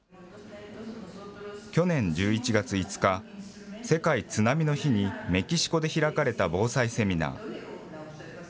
去年１１月５日、世界津波の日にメキシコで開かれた防災セミナー。